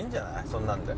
そんなんで。